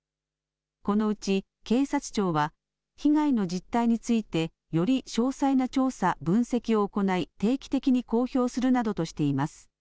このうち警察庁は被害の実態についてより詳細な調査、分析を行い定期的に公表するなどとしています。